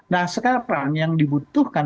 nah sekarang yang dibutuhkan